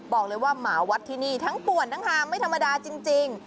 บอกเลยว่าหมาวัดที่นี่ทั้งป่วนทั้งฮาไม่ธรรมดาจริง